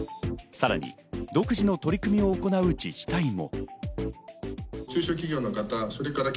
さらに独自の取り組みを行う自治体も。